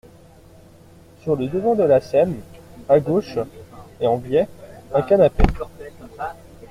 Sur le devant de la scène, à gauche et en biais, un canapé.